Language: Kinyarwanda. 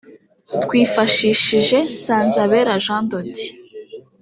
twifashishije Nsanzabera Jean de Dieu